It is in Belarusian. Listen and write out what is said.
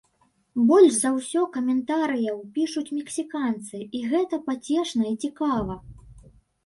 Больш за ўсё каментарыяў пішуць мексіканцы, і гэта пацешна і цікава.